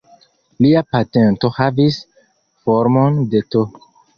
Lia patento havis formon de "T".